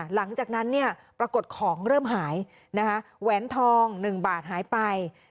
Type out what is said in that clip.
หลังจากนั้นเนี่ยปรากฏของเริ่มหายนะคะแหวนทอง๑บาทหายไป